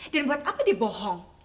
dan buat apa dia bohong